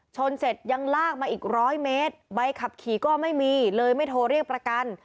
ชนเสร็จยังลากมาอีกร้อยเมตรใบขับขี่ก็ไม่มีเลยไม่โทรเรียกประกัน